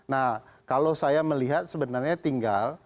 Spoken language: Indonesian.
nah kalau saya melihat sebenarnya tinggal